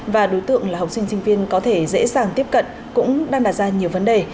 và đối tượng là học sinh sinh viên có thể dễ dàng tiếp cận cũng đang đặt ra nhiều vấn đề